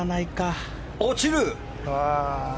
落ちる！